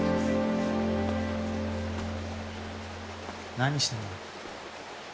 何してんの？